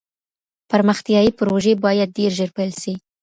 پرمختیایي پروژې باید ډېر ژر پیل سي.